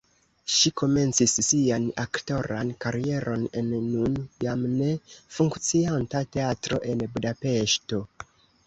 Ŝi komencis sian aktoran karieron en nun jam ne funkcianta teatro en Budapeŝto.